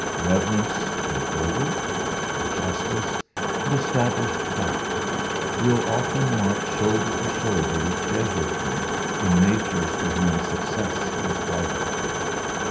Reverence for order, for justice, and established fact, will, often march shoulder to shoulder with Jesuitry in natures to whom success is vital.